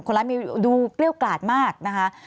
คนร้ายมีดูเกรี้ยวกลาดมากนะคะ